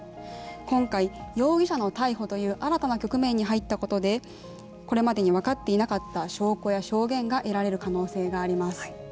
今回、容疑者の逮捕という新たな局面に入ったことでこれまでに分かっていなかった証拠や証言が得られる可能性があります。